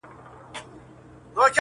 د چا دغه د چا هغه ورته ستايي-